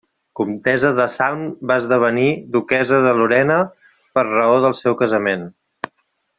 Comtessa de Salm va esdevenir duquessa de Lorena per raó del seu casament.